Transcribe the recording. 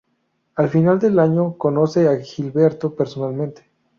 Al final del año conoce a Gilberto personalmente.